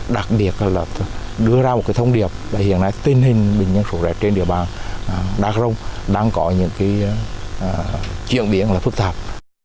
đặc biệt là đưa ra một thông điệp hiện nay tình hình bệnh nhân sốt z trên địa bàn đắk rông đang có những chuyển biến phức tạp